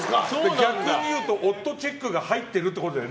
逆に言うと夫チェックが入ってるってことだよね。